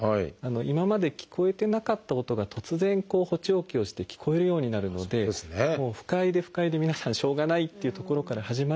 今まで聞こえてなかった音が突然補聴器をして聞こえるようになるので不快で不快で皆さんしょうがないっていうところから始まる。